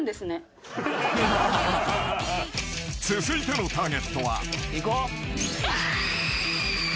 ［続いてのターゲットは］